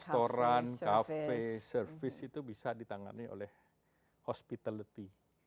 restoran kafe service itu bisa ditangani oleh hospitality